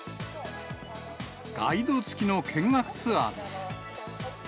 ガイド付きの見学ツアーです。